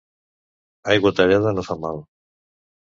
Aigua tallada no fa mal.